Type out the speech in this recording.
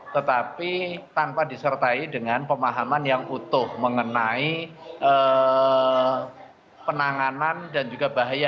tetapi tanpa disertai dengan pemahaman yang utuh mengenai penanganan dan juga bahaya